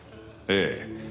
ええ。